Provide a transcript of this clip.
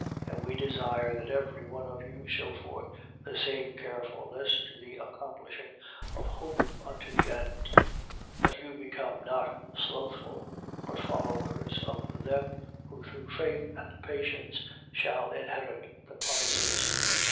6:11. And we desire that every one of you shew forth the same carefulness to the accomplishing of hope unto the end: 6:12. That you become not slothful, but followers of them who through faith and patience shall inherit the promises.